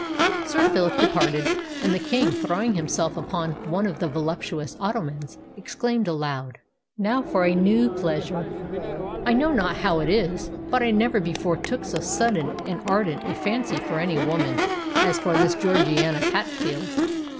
Sir Phillip departed; and the King, throwing himself upon one of the voluptuous ottomans, exclaimed aloud, "Now for a new pleasure! I know not how it was, but I never before took so sudden and ardent a fancy for any woman, as for this Georgiana Hatfield.